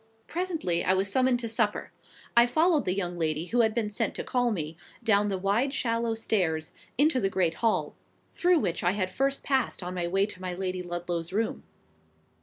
Presently I was summoned to supper. I followed the young lady who had been sent to call me, down the wide shallow stairs, into the great hall, through which I had first passed on my way to my Lady Ludlow's room.